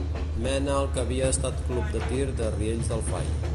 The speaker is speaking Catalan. Mena al que havia estat club de tir de Riells del Fai.